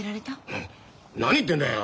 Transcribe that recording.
なっ何言ってんだよ。